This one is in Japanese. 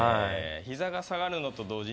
「膝が下がるのと同時に」